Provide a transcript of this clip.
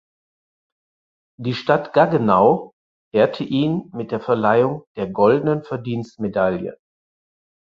Die Stadt Gaggenau ehrte ihn mit der Verleihung der goldenen Verdienstmedaille.